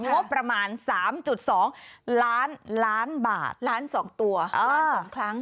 งบประมาณสามจุดสองล้านล้านบาทล้านสองตัวเออล้านสองครั้ง